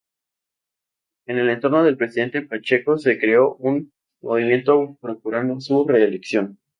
En el entorno del presidente Pacheco se creó un movimiento procurando su reelección.